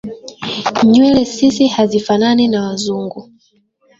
nywele sisi hazifanani na wazungu